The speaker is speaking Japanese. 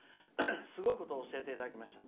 すごいことを教えていただきました。